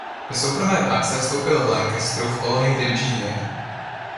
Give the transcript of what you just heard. Do soukromé praxe vstoupil v Lancasteru v kolonii Virginie.